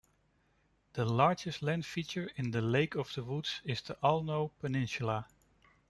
The largest land feature in Lake of the Woods is the Aulneau Peninsula.